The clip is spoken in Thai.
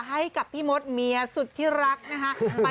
ให้กับพี่มดเมียสุดที่รักนะคะ